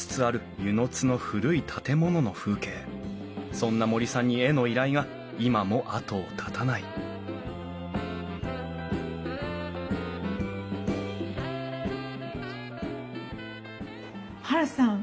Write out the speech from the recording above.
そんな森さんに絵の依頼が今も後を絶たないハルさん。